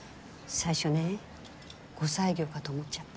最初ね後妻業かと思っちゃった。